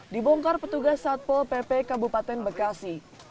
dibongkar petugas satpol pp kabupaten bekasi